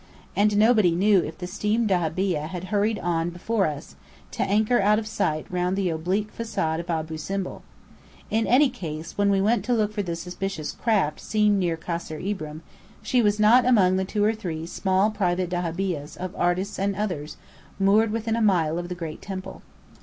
And nobody knew if the steam dahabeah had hurried on before us, to anchor out of sight round the oblique façade of Abu Simbel. In any case, when we went to look for the suspicious craft seen near Kasr Ibrim, she was not among the two or three small private dahabeahs of artists and others, moored within a mile of the Great Temple.